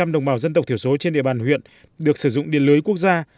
chín mươi năm đồng bào dân tộc thiểu số trên địa bàn huyện được sử dụng điện lưới quốc gia